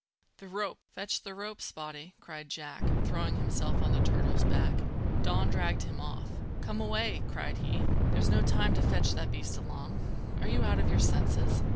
"The rope! Fetch the rope, Spottie!" cried Jack, throwing himself on the turtle's back. Don dragged him off. "Come away!" cried he. "There's no time to fetch that beast along. Are you out of your senses?"